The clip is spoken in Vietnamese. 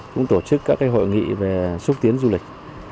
cũng tổ chức các hội nghị về xúc tiến du lịch